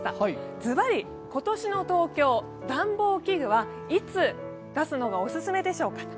ずばり、今年の東京暖房器具はいつ出すのがオススメでしょうか。